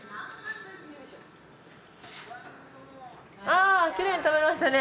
ああきれいに食べましたね。